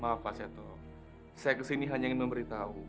maaf pak seto saya kesini hanya ingin memberitahu